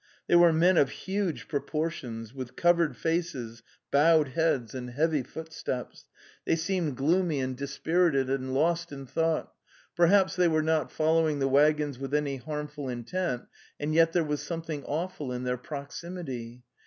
They were men of huge proportions, with covered faces, bowed heads, and heavy footsteps. They seemed gloomy and dis The Steppe 277 pirited and lost in thought. Perhaps they were not following the waggons with any harmful intent, and yet there was something awful in their proximity.